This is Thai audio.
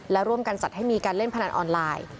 และร่วมกันจัดให้มีการเล่นพนันออนไลน์